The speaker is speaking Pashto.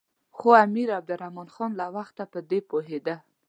خو امیر عبدالرحمن خان له وخته پر دې پوهېده.